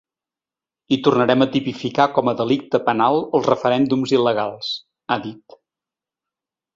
I tornarem a tipificar com a delicte penal els referèndums il·legals, ha dit.